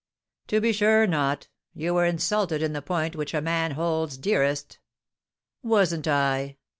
"To be sure not. You were insulted in the point which a man holds dearest." "Wasn't I?